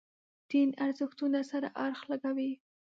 دین ارزښتونو سره اړخ لګوي.